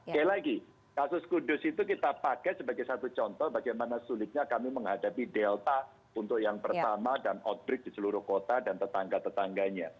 sekali lagi kasus kudus itu kita pakai sebagai satu contoh bagaimana sulitnya kami menghadapi delta untuk yang pertama dan outbreak di seluruh kota dan tetangga tetangganya